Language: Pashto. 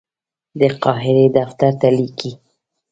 د قاهرې دفتر ته لیکي.